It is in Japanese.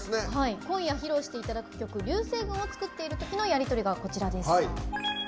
今夜披露していただく曲「流星群」を作っているときのやりとりです。